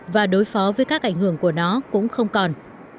và đối phó với các ảnh hưởng của nó cũng không còn